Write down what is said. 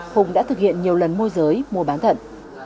hùng đã thực hiện nhiều lần môi giới mua bán thận